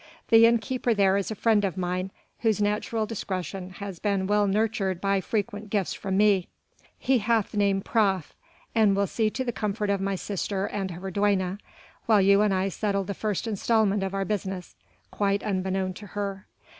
The innkeeper there is a friend of mine, whose natural discretion has been well nurtured by frequent gifts from me. He hath name Praff, and will see to the comfort of my sister and of her duenna, while you and I settle the first instalment of our business, quite unbeknown to her.